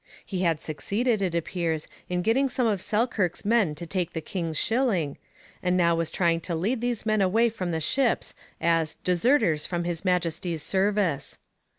He had succeeded, it appears, in getting some of Selkirk's men to take the king's shilling, and now was trying to lead these men away from the ships as 'deserters from His Majesty's service.'